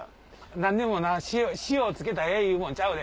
何でも塩をつけたらええいうもんちゃうで。